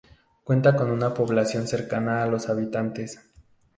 Cuenta con una población cercana a los habitantes.